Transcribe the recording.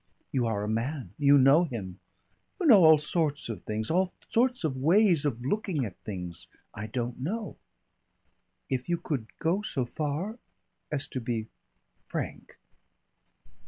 "You are a man; you know him; you know all sorts of things all sorts of ways of looking at things, I don't know. If you could go so far as to be frank."